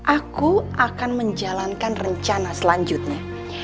aku akan menjalankan rencana selanjutnya